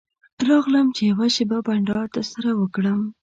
راغلم چې یوه شېبه بنډار درسره وکړم.